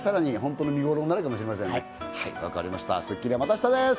『スッキリ』は、また明日です。